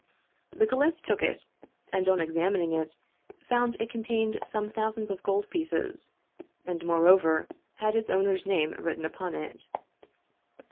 The caliph took it, and on examining it found it contained some thousands of gold pieces, and, moreover, had its owner's name written upon it.